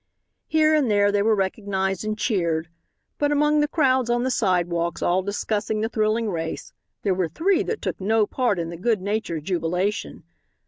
Here and there they were recognized and cheered, but among the crowds on the sidewalks all discussing the thrilling race, there were three that took no part in the good natured jubilation.